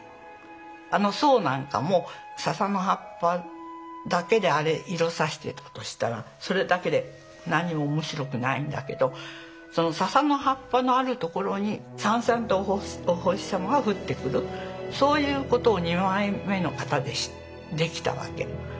あの「」なんかもささの葉っぱだけであれ色挿してたとしたらそれだけで何も面白くないんだけどそのささの葉っぱのあるところにさんさんとお星様が降ってくるそういうことを２枚目の型でできたわけ。